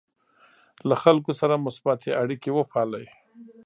له خلکو سره مثبتې اړیکې وپالئ.